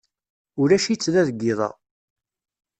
Ulac-itt da deg yiḍ-a.